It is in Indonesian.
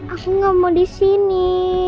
aku nggak mau di sini